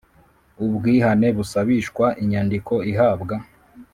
Ubwihane busabishwa inyandiko ihabwa